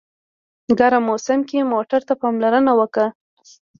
ګرم موسم کې موټر ته پاملرنه وکړه.